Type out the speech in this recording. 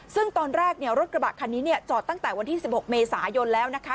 ซึ่งตอนแรกเนี่ยรถกระบะคันนี้เนี่ยจอดตั้งแต่วันที่๑๖เมษายนแล้วนะคะ